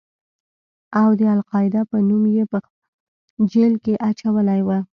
او د القاعده په نوم يې په جېل کښې اچولى و.